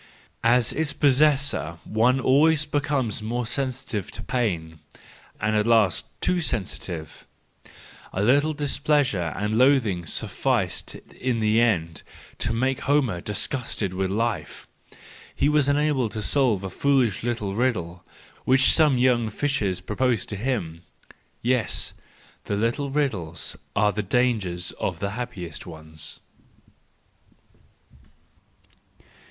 As its possessor one always becomes more SANCTUS JANUARIUS 237 sensitive to pain, and at last too sensitive: a little displeasure and loathing sufficed in the end to * make Homer disgusted with life. He was unable to solve a foolish little riddle which some young fishers proposed to him! Yes, the little riddles are the dangers of the happiest ones